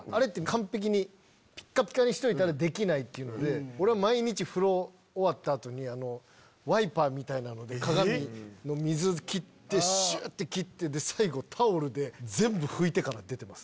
完璧にピッカピカにしといたらできないっていうので俺毎日風呂終わった後にワイパーみたいなので鏡の水シュって切って最後タオルで全部拭いてから出てます。